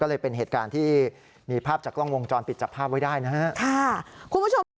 ก็เลยเป็นเหตุการณ์ที่มีภาพจากกล้องวงจรปิดจับภาพไว้ได้นะฮะค่ะคุณผู้ชมค่ะ